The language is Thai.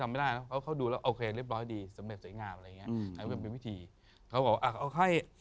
เขาบอกว่าเค้าเขาเอาเค้าเรียกเรื่องรึปรักกรรม